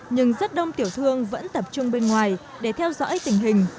nhưng rất đông tiểu thương vẫn tập trung bên ngoài để theo dõi tình hình